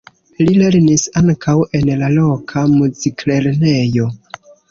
Li lernis ankaŭ en la loka muziklernejo.